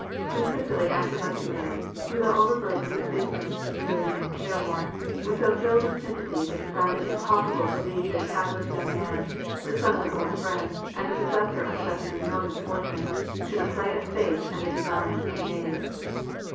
Prince Vasili acted like a man, who though overburdened with business, wearied, and careworn," was so filled with sympathy that he found it imjJossible to leave this hapless young man, the son of an old friend, and the possessor of such an enormous fortune, to the play of fate and the designs of knaves.